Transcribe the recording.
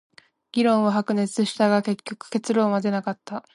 議論は白熱したが、結局結論は出なかった。